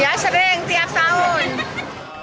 ya sering tiap tahun